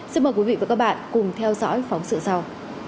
xin mời quý vị và các bạn cùng theo dõi phóng sự sau